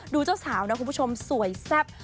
เจ้าสาวนะคุณผู้ชมสวยแซ่บ